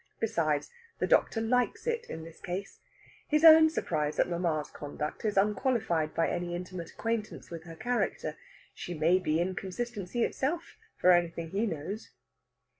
Besides, the doctor likes it, in this case. His own surprise at mamma's conduct is unqualified by any intimate acquaintance with her character. She may be inconsistency itself, for anything he knows.